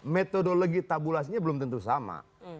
metodologi tabulasinya belum tentu sama